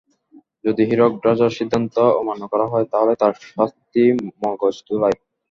যদি হীরক রাজার সিদ্ধান্ত অমান্য করা হয়, তাহলে তার শাস্তি মগজ ধোলাই।